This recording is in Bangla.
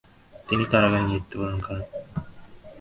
তিনি কারাগারে মৃত্যুবরণ করেন।